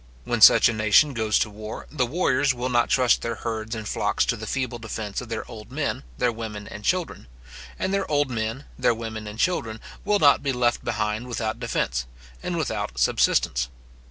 When such a nation goes to war, the warriors will not trust their herds and flocks to the feeble defence of their old men, their women and children; and their old men, their women and children, will not be left behind without defence, and without subsistence.